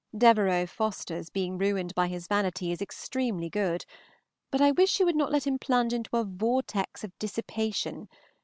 Devereux Forester's being ruined by his vanity is extremely good, but I wish you would not let him plunge into a "vortex of dissipation."